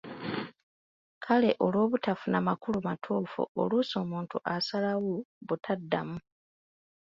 Kale olw'obutafuna makulu matuufu oluusi omuntu asalawo butaddamu .